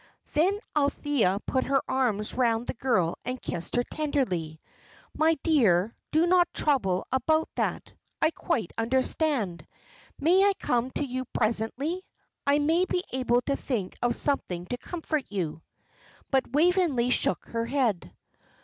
Then Althea put her arms round the girl and kissed her tenderly. "My dear, do not trouble about that. I quite understand. May I come to you presently? I may be able to think of something to comfort you." But Waveney shook her head.